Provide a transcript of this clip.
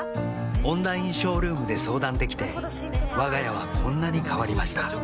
オンラインショールームで相談できてわが家はこんなに変わりました